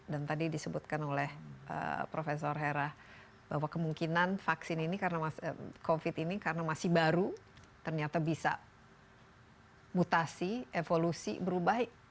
dan tadi disebutkan oleh prof hera bahwa kemungkinan covid ini karena masih baru ternyata bisa mutasi evolusi berubah